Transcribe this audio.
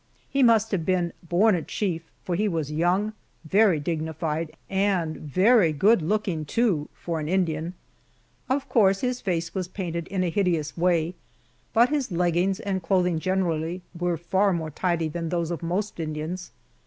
He must have been born a chief for he was young, very dignified, and very good looking, too, for an Indian. Of course his face was painted in a hideous way, but his leggings and clothing generally were far more tidy than those of most Indians.